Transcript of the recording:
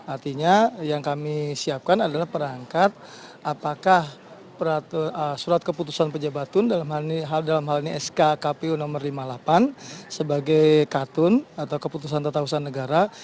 artinya yang kami siapkan adalah perangkat apakah surat keputusan pejabatun dalam hal ini sk kpu nomor lima puluh delapan sebagai katun atau keputusan tata usaha negara